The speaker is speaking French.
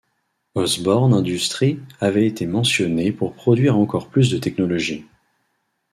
Osborn Industries avait été mentionné pour produire encore plus de technologies.